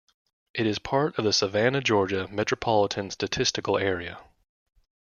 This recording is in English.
It is part of the Savannah, Georgia Metropolitan Statistical Area.